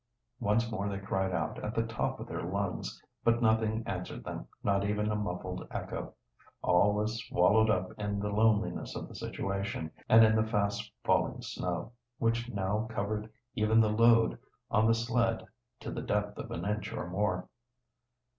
Once more they cried out, at the top of their lungs. But nothing answered them, not even a muffled echo. All was swallowed up in the loneliness of the situation and in the fast falling snow, which now covered even the load on the sled to the depth of an inch or more.